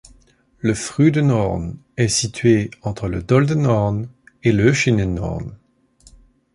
Le Fründenhorn est situé entre le Doldenhorn et l'Oeschinenhorn.